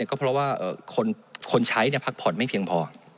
ก็เพราะว่าคนใช้พักผ่อนไม่เพียงพอ